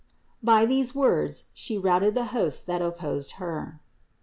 By these words She routed the hosts that opposed Her.